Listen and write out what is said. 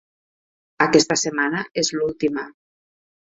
Aquesta setmana és l'última.